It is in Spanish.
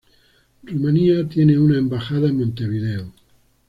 Rumania tiene una embajada en Montevideo.